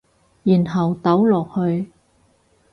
然後倒落去